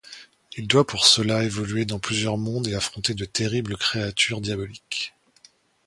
Il doit pour cela évoluer dans plusieurs mondes et affronter de terribles créatures diaboliques.